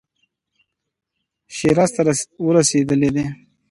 شیراز ته ورسېدی.